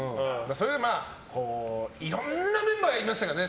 でも、いろんなメンバーがいましたからね。